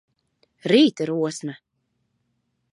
Rīta rosme!